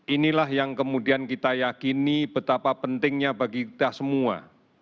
inilah yang kemudian kita yakini betapa pentingnya bagi kita semua